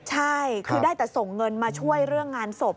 ใช่คือได้แต่ส่งเงินมาช่วยเรื่องงานศพ